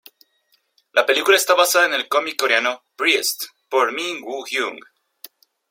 La película está basada en el cómic Coreano "Priest" por Min-Woo Hyung.